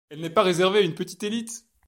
Elle n'est pas réservée à une petite élite.